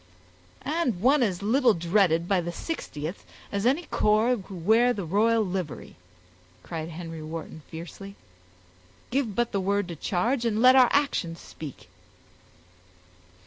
"And one as little dreaded by the 60th, as any corps who wear the royal livery," cried Henry Wharton, fiercely. "Give but the word to charge, and let our actions speak."